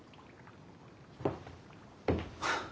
はあ。